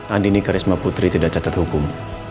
andini karisma putri tidak cacat hukum